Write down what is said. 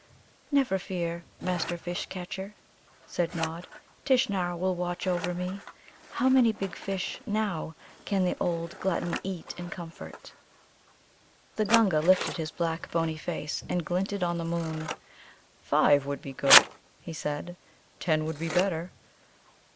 "Never fear, Master Fish catcher," said Nod. "Tishnar will watch over me. How many big fish, now, can the old Glutton eat in comfort?" The Gunga lifted his black bony face, and glinted on the moon. "Five would be good," he said. "Ten would be better.